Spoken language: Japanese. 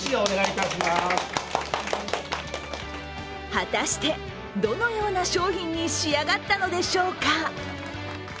果たして、どのような商品に仕上がったのでしょうか。